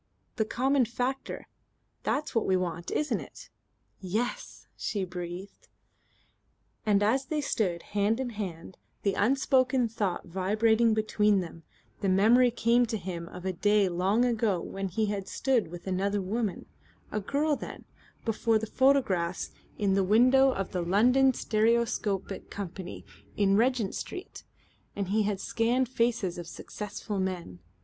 "The common factor that's what we want, isn't it?" "Yes," she breathed. And as they stood, hand in hand, the unspoken thought vibrating between them, the memory came to him of a day long ago when he had stood with another woman a girl then before the photographs in the window of the London Stereoscopic Company in Regent Street, and he had scanned faces of successful men.